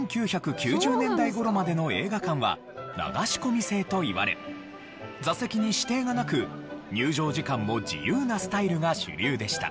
１９９０年代頃までの映画館は流し込み制といわれ座席に指定がなく入場時間も自由なスタイルが主流でした。